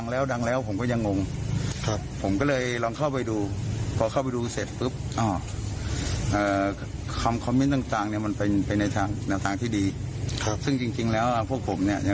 แค่เราเห็นคลิปนี้เราก็รู้สึกเป็นมิตรกับท่านแล้วค่ะ